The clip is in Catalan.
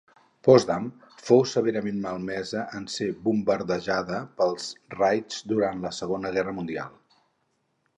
Potsdam fou severament malmesa en ser bombardejada pels raids durant la Segona Guerra Mundial.